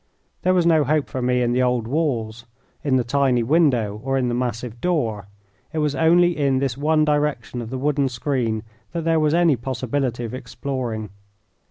There was no hope for me in the old walls, in the tiny window, or in the massive door. It was only in this one direction of the wooden screen that there was any possibility of exploring.